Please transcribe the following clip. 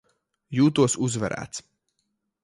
Jūtos uzvarēts.